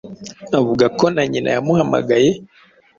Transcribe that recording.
Avuga ko na nyina yamuhamagaye,